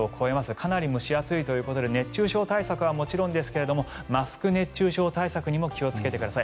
かなり蒸し暑いということで熱中症対策はもちろんですがマスク熱中症対策も気をつけてください。